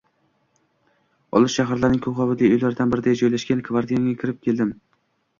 Olis shaharning ko`p qavatli uylaridan birida joylashgan kvartiramga kirib keldim